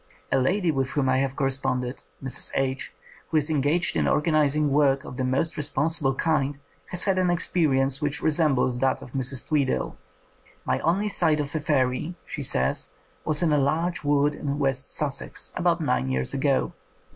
A lady with whom I have corresponded, Mrs. H., who is engaged in organizing work of the most responsible kind, has had an experience which resembles that of Mrs. Tweedale. My only sight of a fairy," she says, "was in a large wood in West Sussex, about nine years ago.